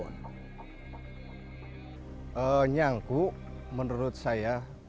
nyangku menurut saya adalah upacara yang berbeda dengan upacara yang ada di pulau jawa